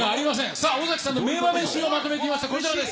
さあ、尾崎さんの名場面集をまとめてみました。